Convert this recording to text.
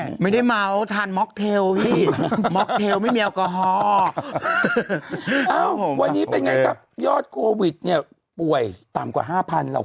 อยู่ดีเอาไอ้แจ๊คเข้ามาแล้วมันยืนเมาอยู่ข้างหน้าอย่างนั้น